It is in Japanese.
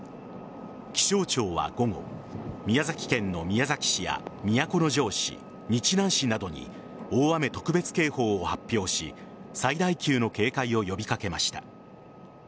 気象庁は午後、宮崎県の宮崎市や都城市、日南市などに大雨特別警報を発表し最大級の警戒を呼び掛けました。